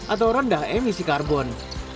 atau rendah emisi karbon